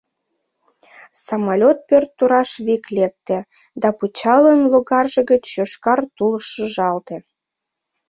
Самолёт пӧрт тураш вик лекте, да пычалын логарже гыч йошкар тул шыжалте.